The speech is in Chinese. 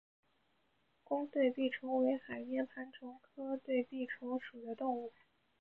弓对臂虫为海绵盘虫科对臂虫属的动物。